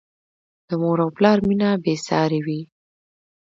د مور او پلار مینه بې سارې وي.